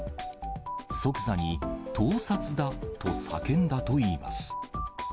即座に、盗撮だ！と叫んだといいます。